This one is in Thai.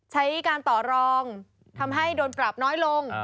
ใช้การต่อรองทำให้โดนปรับน้อยลง